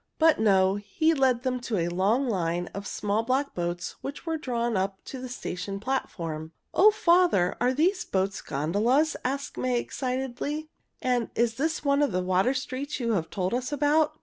But no, he led them to a long line of small black boats which were drawn up to the station platform. "O father! Are these boats gondolas?" asked Molly excitedly. "And is this one of the water streets you have told us about?"